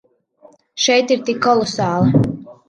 Šeit ir tik kolosāli.